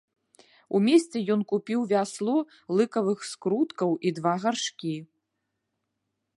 У месце ён купіў вясло лыкавых скруткаў і два гаршкі.